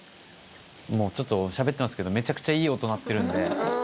ちょっとしゃべってますけどめちゃくちゃいい音鳴ってるんで。